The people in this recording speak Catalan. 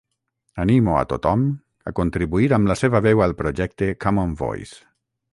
Animo a tothom a contribuir amb la seva veu al projecte Common Voice.